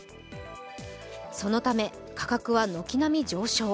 そのため価格は軒並み上昇。